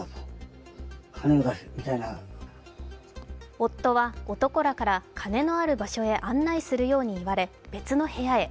夫は男らから金のある場所へ案内するように言われ、別の部屋へ。